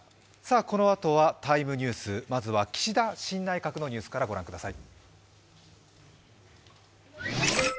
このあとは「ＴＩＭＥＮＥＷＳ」、まずは岸田新内閣のニュースから御覧ください。